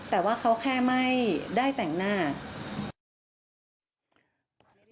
แต่ว่าเขาแค่ไม่ได้แต่งหน้า